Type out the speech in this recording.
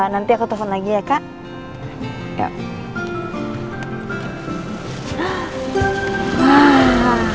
nanti aku telepon lagi ya kak